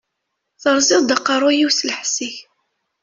Teṛṛẓiḍ-d aqeṛṛu-yiw s lḥess-ik!